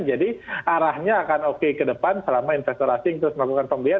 arahnya akan oke ke depan selama investor asing terus melakukan pembelian